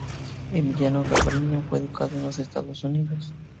Emiliano Galvarino fue educado en los Estados Unidos.